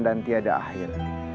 dan tiada akhir